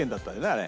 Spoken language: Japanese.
あれ。